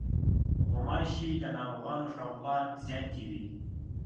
غوماشې د ناروغانو شاوخوا زیاتې وي.